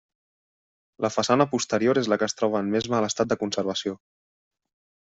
La façana posterior és la que es troba en més mal estat de conservació.